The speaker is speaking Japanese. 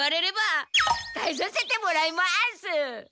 返させてもらいます。